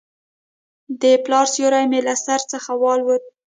د پلار سیوری مې له سر څخه والوت.